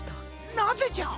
なぜじゃ？